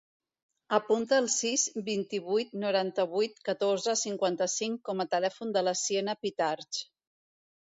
Apunta el sis, vint-i-vuit, noranta-vuit, catorze, cinquanta-cinc com a telèfon de la Siena Pitarch.